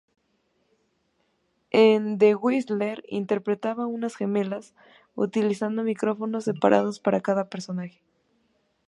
En "The Whistler" interpretaba a unas gemelas, utilizando micrófonos separados para cada personaje.